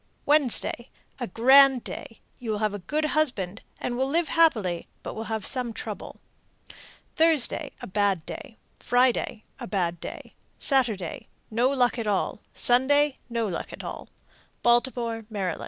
Wednesday a grand day; you will have a good husband, and will live happily, but will have some trouble. Thursday a bad day. Friday a bad day. Saturday no luck at all. Sunday no luck at all. _Baltimore, Md.